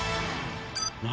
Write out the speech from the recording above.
何？